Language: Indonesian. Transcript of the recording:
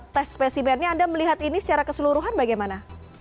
tes spesimennya anda melihat ini secara keseluruhan bagaimana